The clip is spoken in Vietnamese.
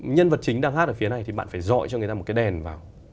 nhân vật chính đang hát ở phía này thì bạn phải dọi cho người ta một cái đèn vào